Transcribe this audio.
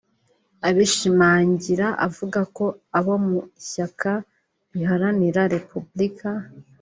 Abishimangira avuga ko abo mu ishyaka riharanira repubulika